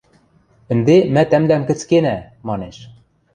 Ӹнде мӓ тӓмдӓм кӹцкенӓ! – манеш.